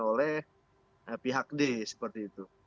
oleh pihak d seperti itu